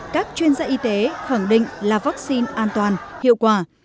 các chuyên gia y tế khẳng định là vaccine an toàn hiệu quả